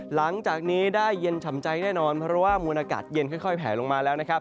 หลังจากนี้ได้เย็นฉ่ำใจแน่นอนเพราะว่ามวลอากาศเย็นค่อยแผลลงมาแล้วนะครับ